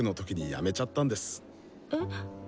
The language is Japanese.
えっ？